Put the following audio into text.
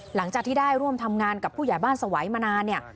หลังจากที่ได้ร่วมทำงานกับผู้ใหญ่บ้านสวัยมานานเนี่ย